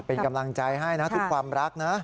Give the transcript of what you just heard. เป็นกำลังใจให้นะทุกความรักนะ